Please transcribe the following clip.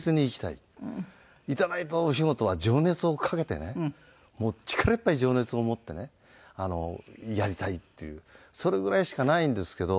いただいたお仕事は情熱をかけてねもう力いっぱい情熱を持ってねやりたいっていうそれぐらいしかないんですけど。